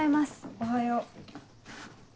おはよう。